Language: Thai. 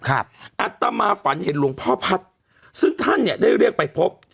อัตมาฝันเห็นหลวงพ่อพัฒน์ซึ่งท่านเนี่ยได้เรียกไปพบ